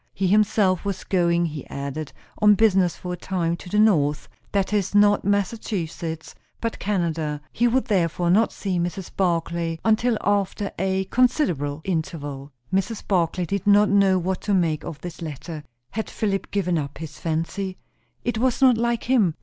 He himself was going, he added, on business, for a time, to the north; that is, not Massachusetts, but Canada. He would therefore not see Mrs. Barclay until after a considerable interval. Mrs. Barclay did not know what to make of this letter. Had Philip given up his fancy? It was not like him.